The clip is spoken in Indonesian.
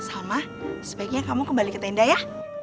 sama sebaiknya kamu kembali ke tenda ya